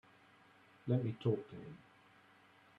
Let me talk to him.